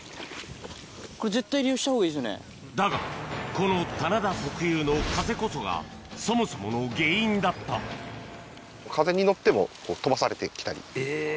だがこの棚田特有の風こそがそもそもの原因だったえ！